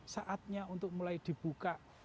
saatnya untuk mulai dibuka